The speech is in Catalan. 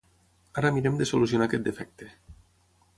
Ara mirem de solucionar aquest defecte.